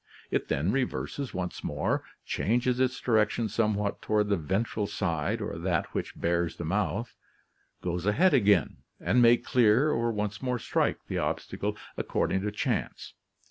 It then reverses once more, changes its direction somewhat toward the ventral side or that which bears the mouth, goes ahead again, and may clear or once more strike the obstacle, according to chance.